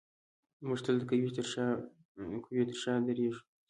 موږ تل د قوي تر شا درېږو.